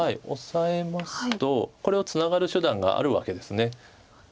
オサえますとこれをツナがる手段があるわけです。